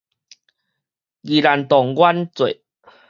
宜蘭童玩節